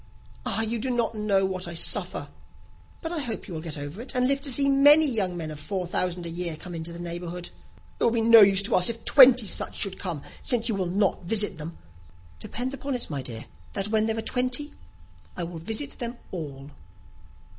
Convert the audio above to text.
"Ah, you do not know what I suffer." "But I hope you will get over it, and live to see many young men of four thousand a year come into the neighbourhood." "It will be no use to us, if twenty such should come, since you will not visit them." "Depend upon it, my dear, that when there are twenty, I will visit them all."